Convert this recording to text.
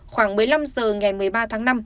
khoảng một mươi năm h ngày một mươi ba tháng năm